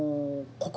ここ。